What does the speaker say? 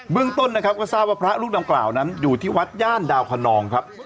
เบื้องต้นก็ทราบว่าพระลูกดำกราวนั้นอยู่ที่วัดย่านดาวคณองครับ